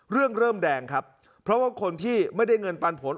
เริ่มเริ่มแดงครับเพราะว่าคนที่ไม่ได้เงินปันผล